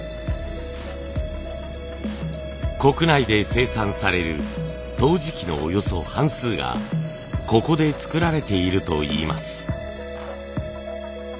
国内で生産される陶磁器のおよそ半数がここで作られているといいます。